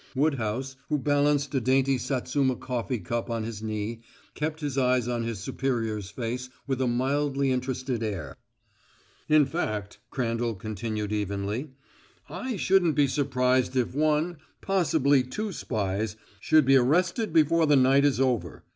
Woodhouse, who balanced a dainty Satsuma coffee cup on his knee, kept his eyes on his superior's face with a mildly interested air. "In fact," Crandall continued evenly, "I shouldn't be surprised if one possibly two spies should be arrested before the night is over.